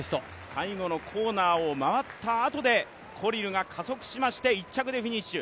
最後のコーナーを回ったあとでコリルが加速しまして１着でフィニッシュ。